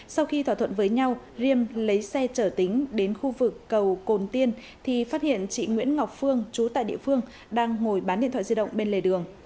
sau khi thỏa thuận với nhau riêm lấy xe chở tính đến khu vực cầu cồn tiên thì phát hiện chị nguyễn ngọc phương trú tại địa phương đang ngồi bán điện thoại di động bên lề đường